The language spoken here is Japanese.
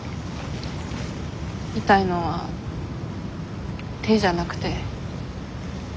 痛いのは手じゃなくて。